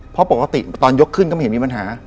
เพราะปกติตอนยกขึ้นก็ไม่เห็นมีปัญหา